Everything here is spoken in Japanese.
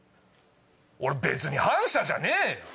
俺別に反社じゃねえよ。